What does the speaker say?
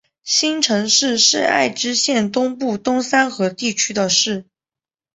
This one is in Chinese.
新城市是爱知县东部东三河地区的市。